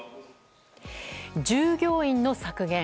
従業員の削減。